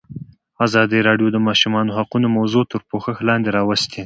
ازادي راډیو د د ماشومانو حقونه موضوع تر پوښښ لاندې راوستې.